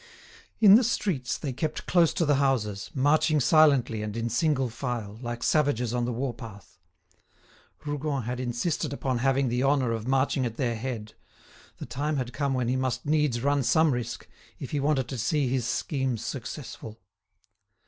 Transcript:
In the streets they kept close to the houses, marching silently and in single file, like savages on the war path. Rougon had insisted upon having the honour of marching at their head; the time had come when he must needs run some risk, if he wanted to see his schemes successful.